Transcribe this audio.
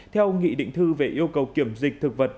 theo nghị định thư về yêu cầu kiểm dịch thực vật